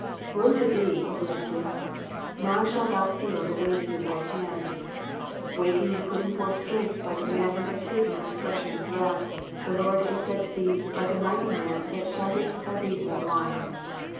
Woe to thee, O Philistia, now shalt thou feel the weight of his right hand ! Waking and putting forth strength like a man who had taken a refreshing draught, the Lord is said to be, *' like a mighty man that shouteth by reason of wine.